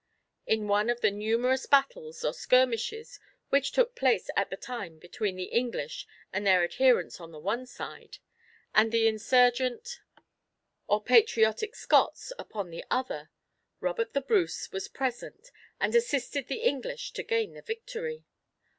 In one of the numerous battles, or skirmishes, which took place at the time between the English and their adherents on the one side, and the insurgent or patriotic Scots upon the other, Robert the Bruce was present, and assisted the English to gain the victory.